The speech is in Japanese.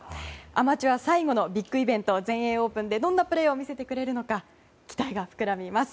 アマチュア最後のビッグイベント全英オープンでどんなプレーを見せてくれるのか期待が膨らみます。